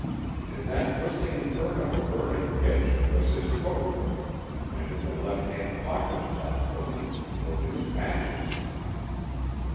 In that twisting inferno of burning pitch was his coat, and in the left hand pocket of that coat WERE HIS MATCHES!